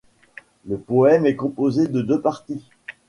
Le poème est composé de deux parties.